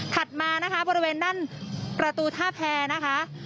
มานะคะบริเวณด้านประตูท่าแพรนะคะ